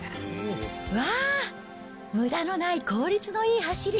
わー、むだのない効率のいい走り。